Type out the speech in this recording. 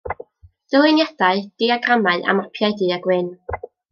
Dyluniadau, diagramau a mapiau du-a-gwyn.